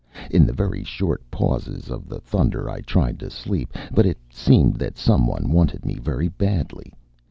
In the very short pauses of the thunder I tried to sleep, but it seemed that some one wanted me very badly.